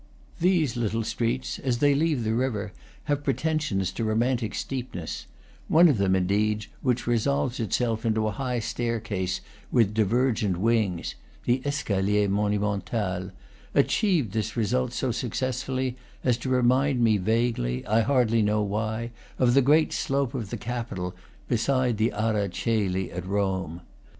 These little streets, as they, leave the river, have pretensions to romantic steepness; one of them, indeed, which resolves itself into a high staircase with divergent wings (the escalier monumental), achieved this result so successfully as to remind me vaguely I hardly know why of the great slope of the Capitol, beside the Ara Coeli, at Rome.